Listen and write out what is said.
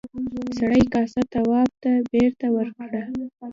سړي کاسه تواب ته بېرته ورکړه.